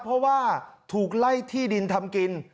เพราะว่าถูกไล่ที่ดินทำกิน